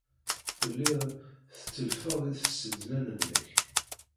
Telliḍ tettellfeḍ i tsednan-nnek.